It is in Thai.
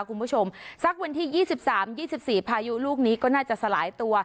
คุณผู้ชมซักเวนที่ยี่สิบสามยี่สิบสี่พายุลูกนี้ก็น่าจะสลายตัว